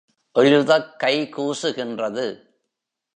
எழுதக் கை கூசுகின்றது.